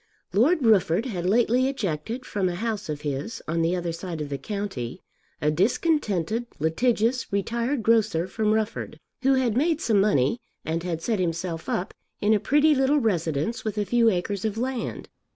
Lord Rufford had lately ejected from a house of his on the other side of the county a discontented litigious retired grocer from Rufford, who had made some money and had set himself up in a pretty little residence with a few acres of land.